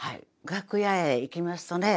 楽屋へ行きますとね